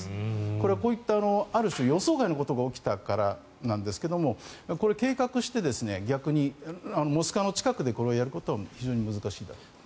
これはこういったある種、予想外のことが起きたからなんですが計画して逆にモスクワの近くでこれをやることは非常に難しいだろうと思います。